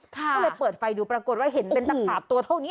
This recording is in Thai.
ก็เลยเปิดไฟดูปรากฏว่าเห็นเป็นตะขาบตัวเท่านี้